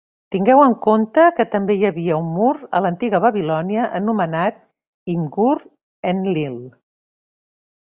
Tingueu en compte que també hi havia un mur a l'antiga Babilònia anomenat Imgur-Enlil.